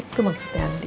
itu maksudnya nanti